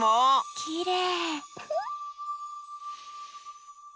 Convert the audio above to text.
きれい。